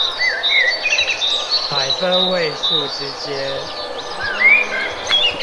百分位數之間